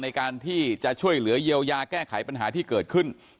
ในการที่จะช่วยเหลือเยียวยาแก้ไขปัญหาที่เกิดขึ้น